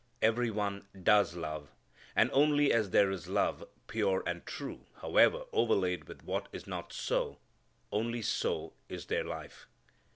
Every one does love. And only as there is love, pure and true however overlaid with what is not so only so is there life.